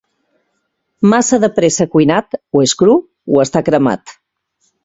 Massa de pressa cuinat, o és cru o està cremat.